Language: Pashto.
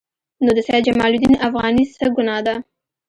نو د سید جمال الدین افغاني څه ګناه ده.